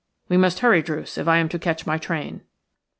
We must hurry, Druce, if I am to catch my train."